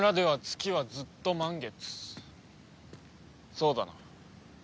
そうだな？